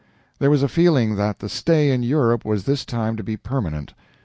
There was a feeling that the stay in Europe was this time to be permanent.